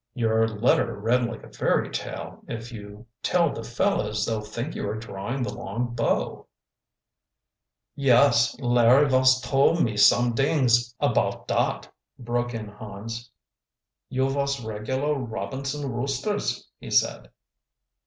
"Your letter read like a fairy tale. If you tell the fellows they'll think you are drawing the long bow." "Yes, Larry vos told me somedings apoud dot," broke in Hans. "You vos regular Robinson Roosters," he said.